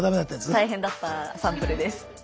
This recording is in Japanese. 大変だったサンプルです。